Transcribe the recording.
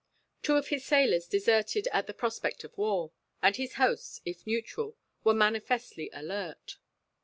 Two of his sailors deserted at the prospect of war, and his hosts, if neutral, were manifestly alert.